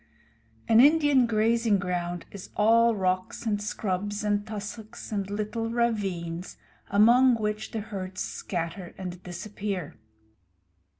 An Indian grazing ground is all rocks and scrub and tussocks and little ravines, among which the herds scatter and disappear.